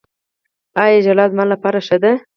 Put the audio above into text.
ایا ژړا زما لپاره ښه ده؟